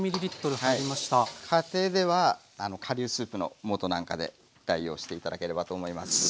家庭では顆粒スープの素なんかで代用して頂ければと思います。